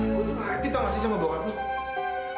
gue tuh ngerti tau gak sih sama bok abloh